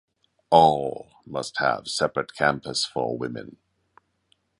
All must have separate campus for women.